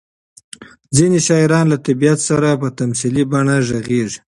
ځینې شاعران له طبیعت سره په تمثیلي بڼه غږېږي.